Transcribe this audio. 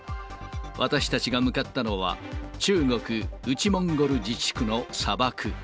私たちが向かったのは、中国・内モンゴル自治区の砂漠。